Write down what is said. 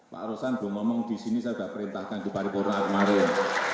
pak rosan belum ngomong di sini saya sudah perintahkan di paripurna kemarin